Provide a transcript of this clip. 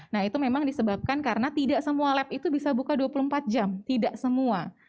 nah itu memang disebabkan karena tidak semua lab itu bisa buka dua puluh empat jam tidak semua